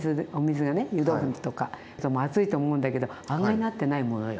湯豆腐とか熱いと思うんだけど案外なってないものよ。